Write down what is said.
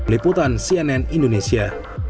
liputan cnn indonesia